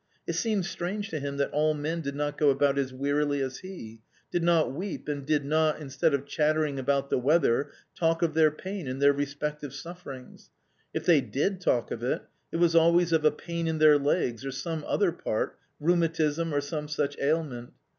It seemed strange to him that all men did not go about as wearily as he, did not weep, and did not — instead of chattering about the weather — talk of their pain and their respective sufferings — if they did talk of it, it was always of a pain in their legs or some other part, rheumatism or some such ailment.